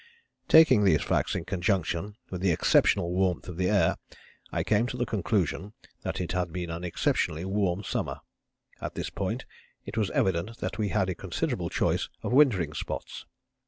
Taking these facts in conjunction with the exceptional warmth of the air, I came to the conclusion that it had been an exceptionally warm summer. At this point it was evident that we had a considerable choice of wintering spots.